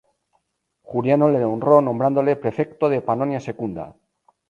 Juliano le honró nombrándole prefecto de Pannonia Secunda.